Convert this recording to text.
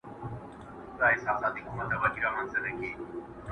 څوک په مال او دولت کله سړی کيږي،